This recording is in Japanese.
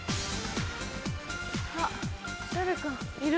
あっ誰かいる。